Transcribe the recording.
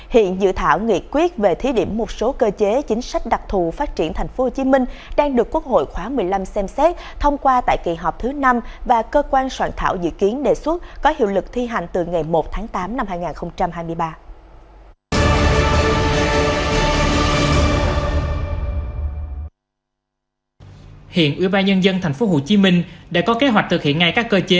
hiện dự thảo nghị quyết về thí điểm một số cơ chế chính sách đặc thù phát triển tp hcm đang được quốc hội khóa một mươi năm xem xét thông qua tại kỳ họp thứ năm và cơ quan soạn thảo dự kiến đề xuất có hiệu lực thi hành từ ngày một